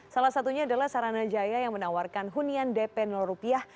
salah satunya adalah sarana jaya yang menawarkan hunian dp rupiah